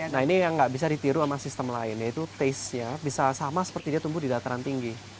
nah ini yang nggak bisa ditiru sama sistem lain yaitu taste nya bisa sama seperti dia tumbuh di dataran tinggi